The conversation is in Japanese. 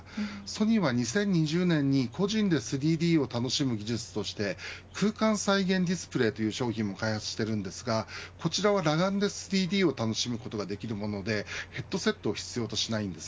ソニーは２０２０年に個人で３Ｄを楽しむ技術として空間再現ディスプレイという商品も開発していますがこちらは裸眼で３Ｄを楽しむことができるものでヘッドセットを必要としません。